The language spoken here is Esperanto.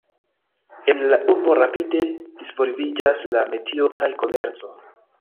En la urbo rapide disvolviĝas la metio kaj komerco.